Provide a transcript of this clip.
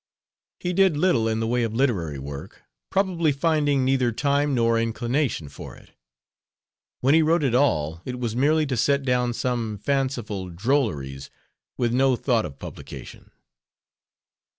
He did little in the way of literary work, probably finding neither time nor inclination for it. When he wrote at all it was merely to set down some fanciful drolleries with no thought of publication.